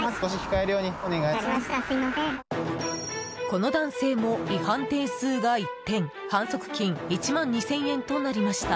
この男性も違反点数が１点反則金１万２０００円となりました。